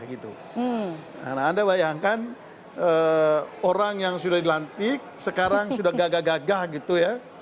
karena anda bayangkan orang yang sudah dilantik sekarang sudah gagah gagah gitu ya